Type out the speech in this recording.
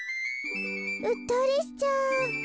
うっとりしちゃう。